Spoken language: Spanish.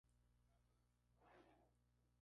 Es finalista de varios premios internacionales.